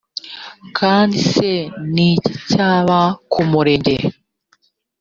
kandi se ni iki cyabaye ku murenge